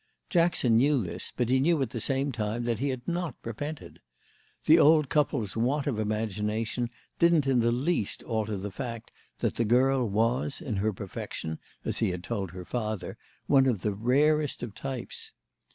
Jackson knew this, but knew at the same time that he had not repented. The old couple's want of imagination didn't in the least alter the fact that the girl was, in her perfection, as he had told her father, one of the rarest of types.